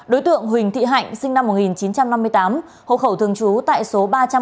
đối tượng huỳnh thị hạnh sinh năm một nghìn chín trăm năm mươi tám hộ khẩu thường trú tại số ba trăm năm mươi